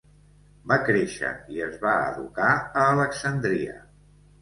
Va créixer i es va educar a Alexandria.